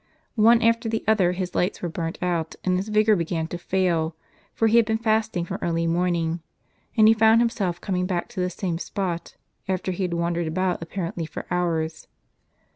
One after the other his lights were burnt out, and his vigor began to fail, for he had been fasting from early morning; and he found himself coming back to the same spot, after he had wandered about apparently for hours.